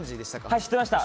はい、知ってました。